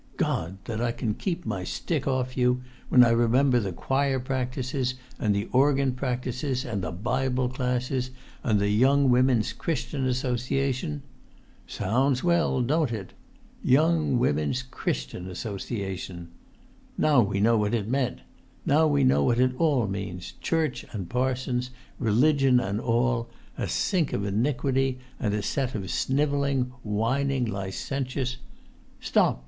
God! that I can keep my stick off you, when I remember the choir practices, and the organ practices, and the Bible classes, and the Young Women's Christian Association. Sounds well, don't it? Young Women's Christian Association! Now we know what it meant; now we know what it all means, church and parsons, religion and all; a sink of iniquity and a set of snivelling, whining, licentious——" "Stop!"